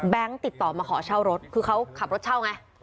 ติดต่อมาขอเช่ารถคือเขาขับรถเช่าไง